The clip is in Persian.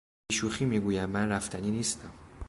بی شوخی میگویم من رفتنی نیستم.